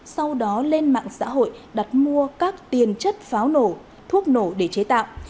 sau đó lên mạng xã hội đặt mua các tiền chất pháo nổ thuốc nổ để chế tạo